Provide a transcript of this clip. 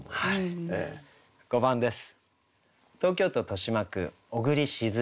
５番です。